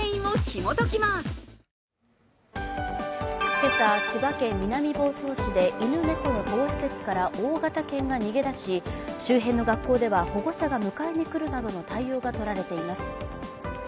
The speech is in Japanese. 今朝、千葉県南房総市で犬猫の保護施設から大型犬が逃げ出し、周辺の学校では保護者が迎えに来るなどの対応が取られています。